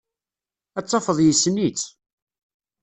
Ad tafeḍ yessen-itt.